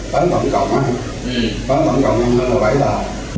bán tổng cộng á bán tổng cộng hơn là bảy tờ